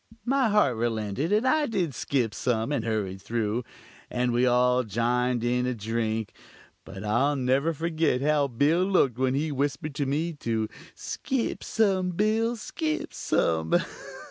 My heart relented, and I did skip some, and hurried through, and we all jined in a drink; but I'll never forgit how Bill looked when he whispered to me to "skip some, Bill, skip some."